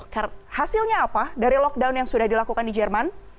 karena hasilnya apa dari lockdown yang sudah dilakukan di jerman